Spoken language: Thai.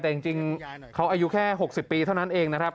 แต่จริงเขาอายุแค่๖๐ปีเท่านั้นเองนะครับ